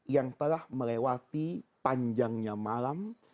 yang telah melewati panjangnya malam